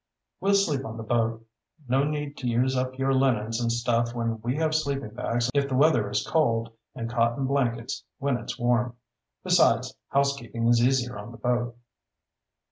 We'll sleep on the boat. No need to use up your linens and stuff when we have sleeping bags if the weather is cold and cotton blankets when it's warm. Besides, housekeeping is easier on the boat."